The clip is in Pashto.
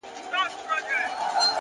د زړه قوت خنډونه کوچني کوي،